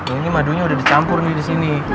ini madunya udah dicampur disini